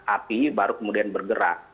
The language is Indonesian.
api baru kemudian bergerak